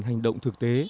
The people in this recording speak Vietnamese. hành động thực tế